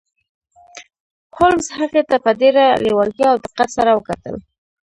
هولمز هغې ته په ډیره لیوالتیا او دقت سره وکتل